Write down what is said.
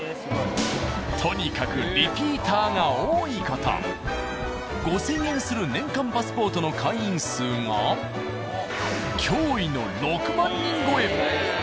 とにかく５，０００円する年間パスポートの会員数が驚異の６万人超え。